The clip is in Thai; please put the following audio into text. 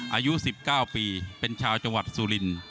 อายุ๑๙ปีเป็นชาวจังหวัดสุรินทร์